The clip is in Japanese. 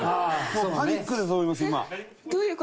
もうパニックだと思います今。